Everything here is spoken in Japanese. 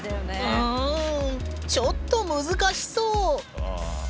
うんちょっと難しそう。